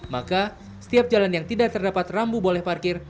maka setiap jalan yang tidak terdapat rambu boleh parkir